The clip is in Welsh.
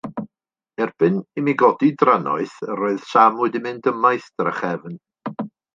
Erbyn i mi godi drannoeth, yr oedd Sam wedi mynd ymaith drachefn.